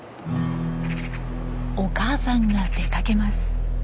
お母さんが出かけます。